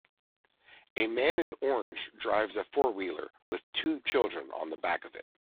A man in orange drives a fourwheeler with two children on the back of it